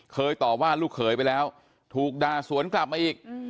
ต่อว่าลูกเขยไปแล้วถูกด่าสวนกลับมาอีก